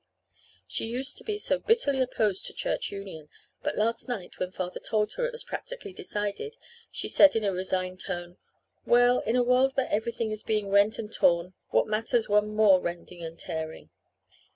"She used to be so bitterly opposed to Church Union. But last night, when father told her it was practically decided, she said in a resigned tone, 'Well, in a world where everything is being rent and torn what matters one more rending and tearing?